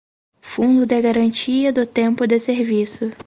fundo de garantia do tempo de serviço;